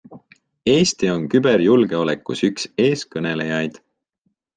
Eesti on küberjulgeolekus üks eeskõnelejaid.